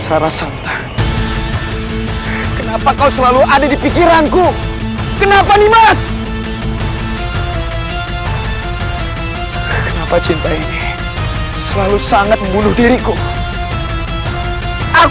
sampai jumpa di video selanjutnya